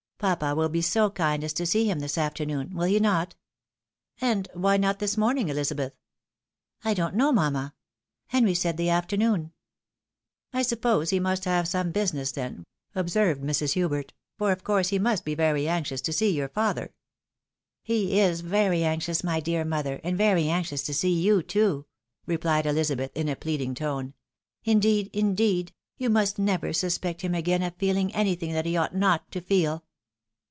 Papa will be so kind as to see him this afternoon, wiU he not ?"" And why not this morning, Ehzabeth ?" "I don't know, mamma. Henry said the afternoon." " I suppose he must have some business, then, for of course he must be very anxious to see your father." '.' He is very anxious, my dear mother, and very anxious to see you too," replied Elizabeth, in a pleading tone. " Indeed, indeed, you must never suspect him again of feeling anything that he ought not to feel."